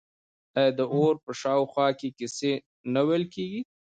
آیا د اور په شاوخوا کې کیسې نه ویل کیږي؟